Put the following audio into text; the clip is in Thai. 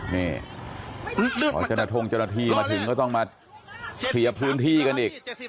นี่ขอจรภงจรภีมาถึงก็ต้องมาเขียบพื้นที่กันอีก